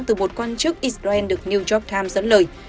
từ một quan chức israel được new york times dẫn lời